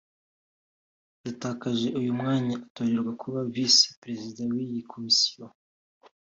yatakaje uyu mwanya atorerwa kuba Visi Perezida w’iyi Komisiyo